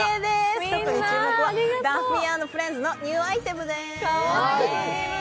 注目はダッフィー＆フレンズのニューアイテムです。